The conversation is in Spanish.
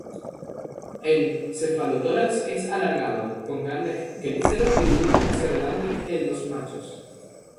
El cefalotórax es alargado, con grandes quelíceros dirigidos hacia delante en los machos.